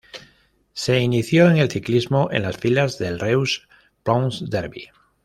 Se inició en el ciclismo en las filas del Reus Ploms-Derbi.